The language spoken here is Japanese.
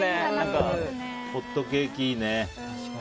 ホットケーキいいね。